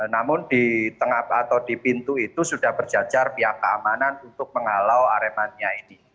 namun di tengah atau di pintu itu sudah berjajar pihak keamanan untuk menghalau aremania ini